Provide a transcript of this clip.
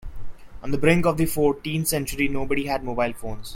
On the brink of the fourteenth century, nobody had mobile phones.